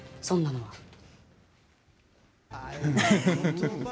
そんなのは。